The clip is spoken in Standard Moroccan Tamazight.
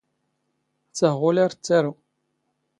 ⵜⴰⵖⵓⵍ ⴰⵔ ⵜⴻⵜⵜⴰⵔⵓ.